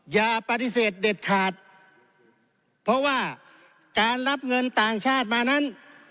อย่าปฏิเสธเด็ดขาดเพราะว่าการรับเงินต่างชาติมานั้น